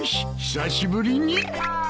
久しぶりに。